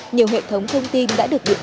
nhiều hệ thống thông tin đã được viện tử